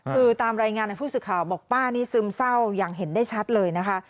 คือตามรายงานในผู้สื่อข่าวบอกป้านี่ซึมเศร้าอย่างเห็นได้ชัดเลยนะคะ